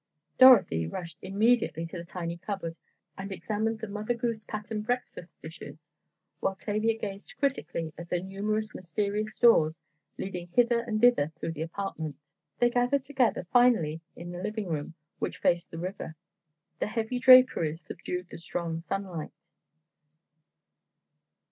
Dorothy rushed immediately to the tiny cupboard, and examined the Mother Goose pattern breakfast dishes, while Tavia gazed critically at the numerous mysterious doors leading hither and thither through the apartment. They gathered together, finally, in the living room, which faced the river. The heavy draperies subdued the strong sunlight.